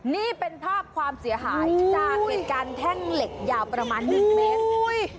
นี่เป็นภาพความเสียหายจากเหตุการณ์แท่งเหล็กยาวประมาณหนึ่งเมตร